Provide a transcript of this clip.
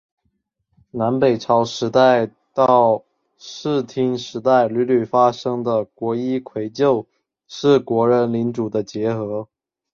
南北朝时代到室町时代屡屡发生的国一揆就是国人领主的结合。